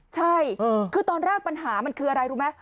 ใช่คือตอนแรกปัญหามันคืออะไรรู้ไหม